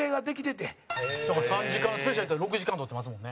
陣内：だから３時間スペシャルやったら６時間、撮ってますもんね。